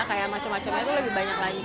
kayak macem macemnya itu lebih banyak lagi